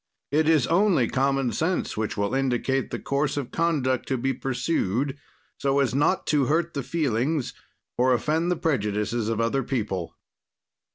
It is only common sense which will indicate the course of conduct to be pursued, so as not to hurt the feelings or offend the prejudices of other people.